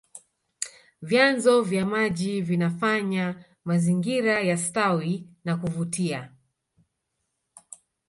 vyanzo vya maji vinafanya mazingira yastawi na kuvutia